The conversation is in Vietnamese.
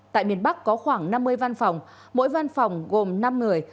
tại miền bắc có khoảng năm mươi văn phòng mỗi văn phòng gồm năm người